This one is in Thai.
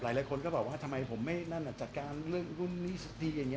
หลายคนก็บอกว่าทำไมผมไม่นั่นจัดการเรื่องนู่นนี่อย่างนี้